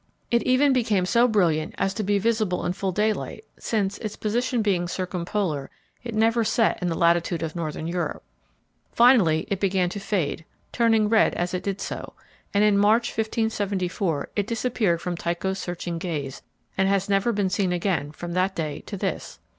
It even became so brilliant as to be visible in full daylight, since, its position being circumpolar, it never set in the latitude of Northern Europe. Finally it began to fade, turning red as it did so, and in March, 1574, it disappeared from Tycho's searching gaze, and has never been seen again from that day to this.